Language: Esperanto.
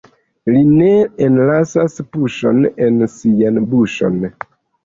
Li ne enlasas puŝon en sian buŝon.